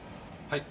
はい。